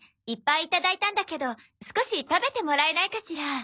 「いっぱいいただいたんだけど少し食べてもらえないかしら？」